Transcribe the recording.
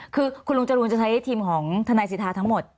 คือคุณลุงจรูนจะใช้ทีมของทนายสิทธาทั้งหมด